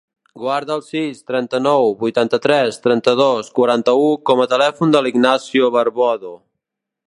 Guarda el sis, trenta-nou, vuitanta-tres, trenta-dos, quaranta-u com a telèfon de l'Ignacio Barbado.